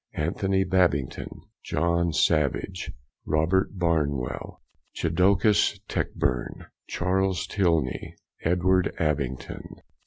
Anthony Babington. John Savage. Robert Barnwell. Chodicus Techburne. Charles Tilney. Edward Abbington.